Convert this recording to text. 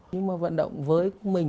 nhưng mà vận động với mình